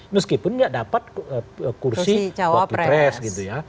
meskipun tidak dapat kursi wakil pres gitu ya